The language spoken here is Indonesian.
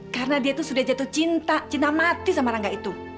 karena dia tuh sudah jatuh cinta cinta mati sama rangga itu